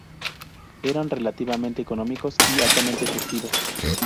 Eran relativamente económicos y altamente efectivos.